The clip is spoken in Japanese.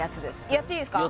やっていいんすか？